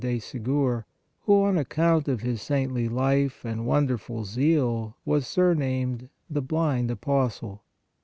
de Segur, who, on account of his saintly life and wonderful zeal was surnamed " The blind apostle."